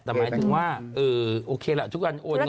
แต่หมายถึงว่าโอเคแหละทุกอันโอน